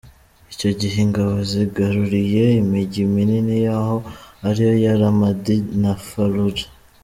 Icyo gihe ingabo zigaruriye imijyi minini yaho ariyo ya Ramadi na Fallujah.